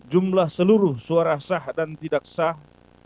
jumlah seluruh suara sah dan tidak sah